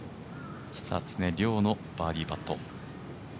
久常涼のバーディーパット。